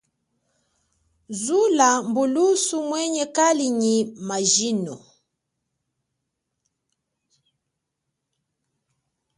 Zula mbulusu weye kali nyi majilo.